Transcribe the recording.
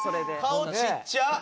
顔ちっちゃ！